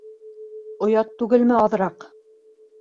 Оят түгелме аҙыраҡ?